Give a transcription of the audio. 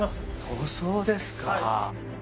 塗装ですか。